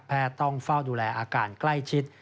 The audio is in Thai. ต้องเฝ้าดูแลอาการใกล้ชิด